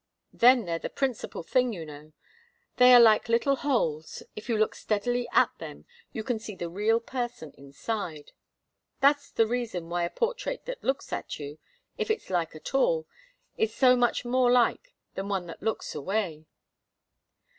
Then they're the principal thing, you know. They are like little holes if you look steadily at them you can see the real person inside. That's the reason why a portrait that looks at you, if it's like at all, is so much more like than one that looks away."